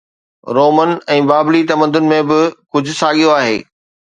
Roman ۽ بابلي تمدن ۾ به ڪجهه ساڳيو آهي